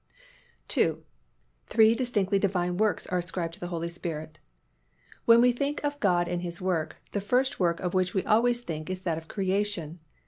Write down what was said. II. Three distinctively Divine works are ascribed to the Holy Spirit. When we think of God and His work, the first work of which we always think is that of creation.